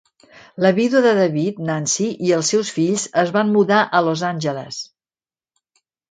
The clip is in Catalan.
La vídua de David, Nancy, i els seus fills, es van mudar a Los Angeles.